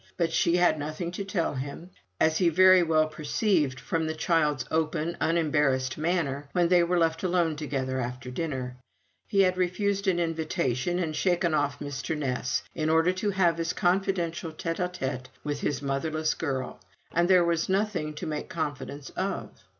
But she had nothing to tell him, as he very well perceived from the child's open unembarrassed manner when they were left alone together after dinner. He had refused an invitation, and shaken off Mr. Ness, in order to have this confidential tete a tete with his motherless girl; and there was nothing to make confidence of.